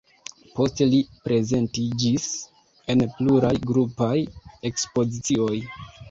Poste li prezentiĝis en pluraj grupaj ekspozicioj.